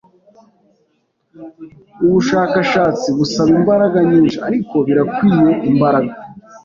Ubushakashatsi busaba imbaraga nyinshi, ariko birakwiye imbaraga.